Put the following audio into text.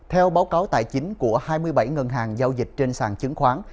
theo báo cáo tài chính của hai mươi bảy ngân hàng giao dịch trên sàn chứng khoán